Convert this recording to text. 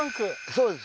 そうです